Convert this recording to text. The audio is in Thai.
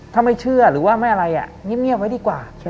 ถ้าไม่เชื่อหรือว่าไม่อะไรเงียบไว้ดีกว่า